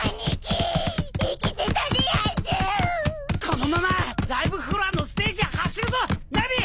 このままライブフロアのステージへ走るぞナミ。